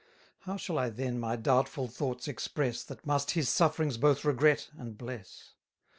70 How shall I then my doubtful thoughts express, That must his sufferings both regret and bless?